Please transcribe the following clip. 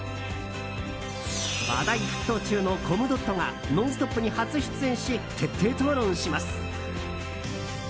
話題沸騰中のコムドットが「ノンストップ！」に初出演し徹底討論します。